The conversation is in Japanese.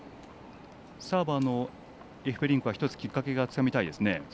サーバーのエフベリンクは１つきっかけ、つかみたいですね。